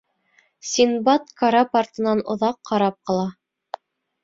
Синдбад карап артынан оҙаҡ ҡарап ҡала.